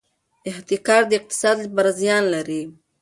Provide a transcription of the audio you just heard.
احتکار د اقتصاد لپاره زیان لري.